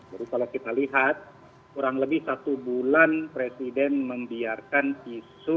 jadi kalau kita lihat kurang lebih satu bulan presiden membiarkan isu